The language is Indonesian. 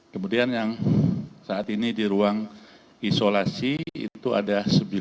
kemudian yang saat ini di ruang isolasi itu ada sembilan